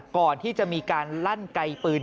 ก่อนที่จะมีการลั่นไกลปืน